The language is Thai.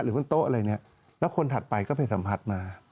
บนโต๊ะอะไรเนี่ยแล้วคนถัดไปก็ไปสัมผัสมา